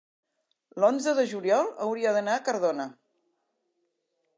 l'onze de juliol hauria d'anar a Cardona.